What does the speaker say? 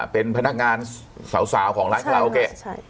เป็นพนักงานสาวของร้านคาราโอเกะ